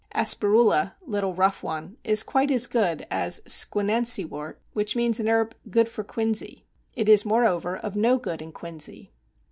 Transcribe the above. Asperula (little rough one) is quite as good as Squinancywort, which means a herb good for quinsy (it is moreover of no good in quinsy).